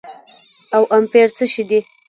او امپير څه شي دي